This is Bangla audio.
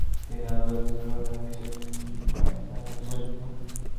তিনি আলোর গতিবেগ পরিমাপের জন্য বিশেষ করে মিকেলসন-মোরলে পরিক্ষণের জন্য পরিচিত।